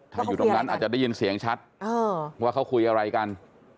ถ้าอยู่ตรงนั้นอาจจะได้ยินเสียงชัดว่าเขาคุยอะไรกัน